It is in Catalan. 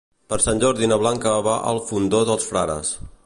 Per Sant Jordi na Blanca va al Fondó dels Frares.